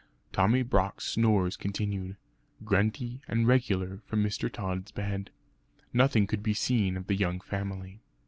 Tommy Brock's snores continued, grunty and regular from Mr. Tod's bed. Nothing could be seen of the young family.